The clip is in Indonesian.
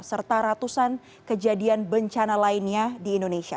serta ratusan kejadian bencana lainnya di indonesia